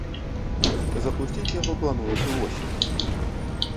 Запусціць яго плануюць увосень.